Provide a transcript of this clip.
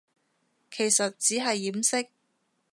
其實只係掩飾